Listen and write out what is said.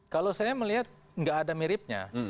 kalau saya melihat nggak ada miripnya